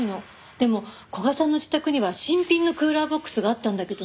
でも古賀さんの自宅には新品のクーラーボックスがあったんだけどね。